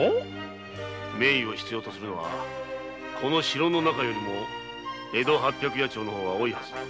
名医を必要とするのはこの城の中よりも江戸八百八丁の方が多いはず。